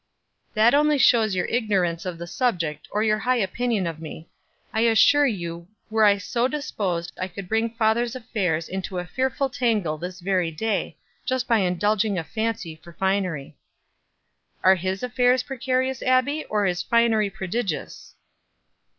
"That only shows your ignorance of the subject or your high opinion of me. I assure you were I so disposed I could bring father's affairs into a fearful tangle this very day, just by indulging a fancy for finery." "Are his affairs precarious, Abbie, or is finery prodigious?"